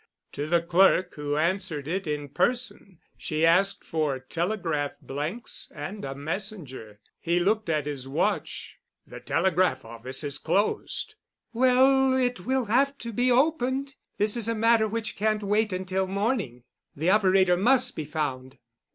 To the clerk, who answered it in person, she asked for telegraph blanks and a messenger. He looked at his watch. "The telegraph office is closed." "Well, it will have to be opened. This is a matter which can't wait until morning. The operator must be found."